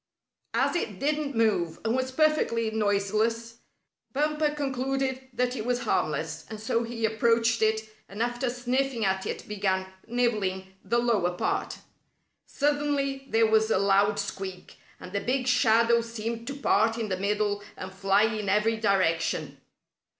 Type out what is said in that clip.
As it didn't move, and was perfectly noiseless, Bumper concluded that it was harmless, and so he approached it and after sniffing at it began nibbling the lower part. Suddenly there was a loud squeak, and the big shadow seemed to part in the middle and fly in every direction.